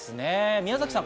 宮崎さん